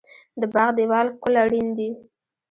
د باغ دیوال کول اړین دي؟